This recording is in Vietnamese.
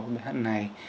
bài hát này